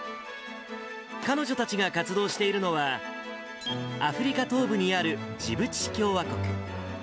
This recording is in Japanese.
彼女たちが活動しているのは、アフリカ東部にあるジブチ共和国。